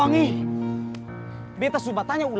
ngancam namanya apa